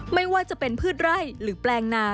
ไม่ว่าจะเป็นพืชไร่หรือแปลงนา